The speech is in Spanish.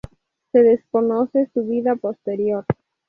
Se desconoce su vida posterior.